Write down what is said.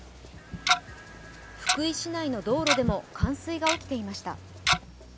福井市内の道路でも冠水が起きていました。